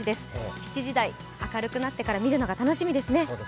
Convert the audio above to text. ７時台、明るくなってから見るのが楽しみですね。